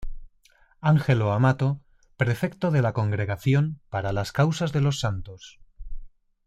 Angelo Amato, prefecto de la Congregación para las Causas de los Santos.